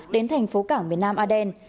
đến thành phố cảng miền nam aden